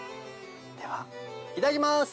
ではいただきます！